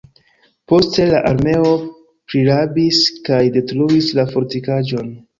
Poste la armeo prirabis kaj detruis la fortikaĵon.